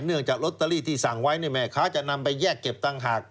เนื่องจากที่สั่งไว้แม่คะจะนำไปแยกเก็บตั้งหาก